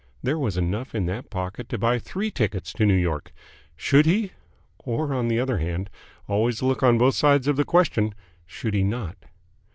There was enough in that pocket to buy three tickets to New York. Should he? ... Or, on the other hand always look on both sides of the question should he not?